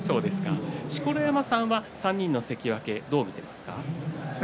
錣山さん３人の関脇どう見ていますか？